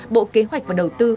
bộ kế hoạch và đầu tư